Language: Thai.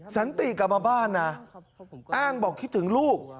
สันติกลับมาบ้านนะอ้างบอกคิดถึงลูก